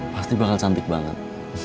pasti bakal cantik banget